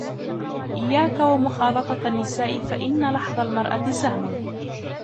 إيَّاكَ وَمُخَالَطَةَ النِّسَاءِ فَإِنَّ لَحْظَ الْمَرْأَةِ سَهْمٌ